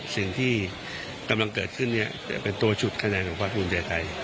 สิ่งที่กำลังเกิดขึ้นเป็นตัวฉุดคะแนนของภาคภูมิใจไทย